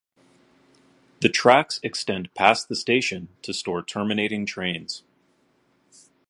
The tracks extend past the station to store terminating trains.